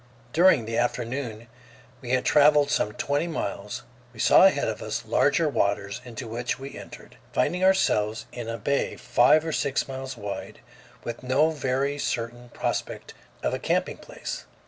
During the afternoon, after we had traveled some twenty miles, we saw ahead of us larger waters, into which we entered, finding ourselves in a bay five or six miles wide, with no very certain prospect of a camping place.